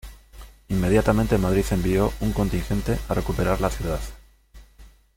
Inmediatamente Madrid envió un contingente a recuperar la ciudad.